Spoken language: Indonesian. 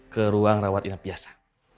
ke ruang rawat inap biasa